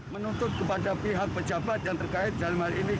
menuntut kepada pihak pejabat yang terkait dalam hal ini